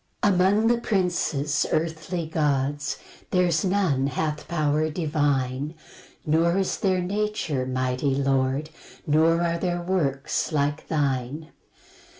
1 Among the princes, earthly gods, There's none hath power divine; Nor is their nature, mighty Lord, Nor are their works like thine.